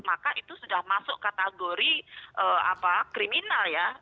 maka itu sudah masuk kategori kriminal ya